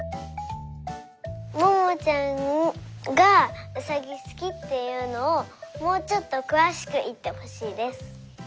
ももちゃんがうさぎすきっていうのをもうちょっとくわしくいってほしいです。